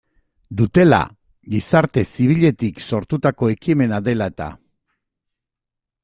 Dutela, gizarte zibiletik sortutako ekimena dela eta.